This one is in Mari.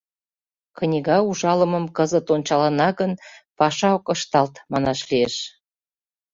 Книга ужалымым кызыт ончалына гын, паша ок ышталт, манаш лиеш.